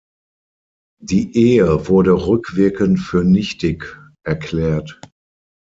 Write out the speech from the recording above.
Die Ehe wurde rückwirkend für nichtig erklärt.